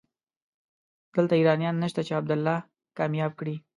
دلته ايرانيان نشته چې عبدالله کامياب کړي.